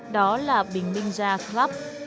đó là bình minh gia club